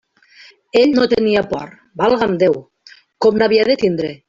Ell no tenia por, valga'm Déu!, com n'havia de tindre?